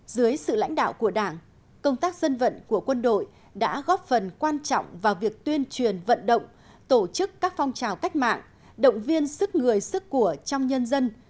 dưới sự lãnh đạo của đảng công tác dân vận của quân đội đã góp phần quan trọng vào việc tuyên truyền vận động tổ chức các phong trào cách mạng động viên sức người sức của trong nhân dân